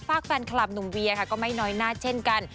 ฝากแฟนคลับหนุ่มเวียค่ะก็ไม่น้อยหน้าเช่นกัน